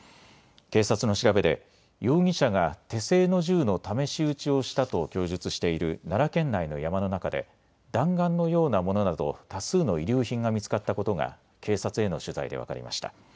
警察の調べで容疑者が手製の銃の試し撃ちをしたと供述している奈良県内の山の中で弾丸のようなものなど多数の遺留品が見つかったことが警察への取材で分かりました。